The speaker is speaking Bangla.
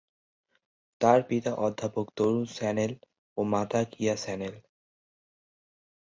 তার পিতা অধ্যাপক তরুন সান্যাল ও মাতা কিয়া সান্যাল।